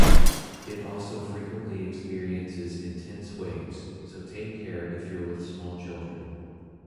It also frequently experiences intense waves, so take care if you're with small children.